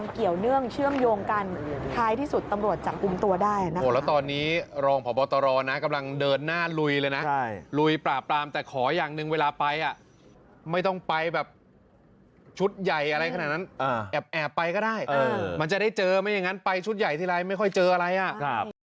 ขอบอตรอนนะกำลังเดินหน้าลุยเลยนะลุยปลาปลามแต่ขอยังหนึ่งเวลาไปอ่ะไม่ต้องไปแบบชุดใหญ่อะไรขนาดนั้นแอบไปก็ได้มันจะได้เจอไหมอย่างนั้นไปชุดใหญ่ที่ไรไม่ค่อยเจออะไรอ่ะ